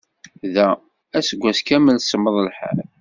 Da, aseggas kamel semmeḍ lḥal.